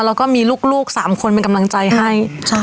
แล้วก็มีลูก๓คนเป็นกำลังใจให้